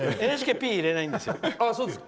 ＮＨＫはピーは入れないんですよ。